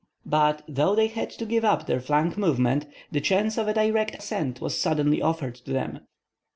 But though they had to give up their flank movement, the chance of a direct ascent was suddenly offered to them.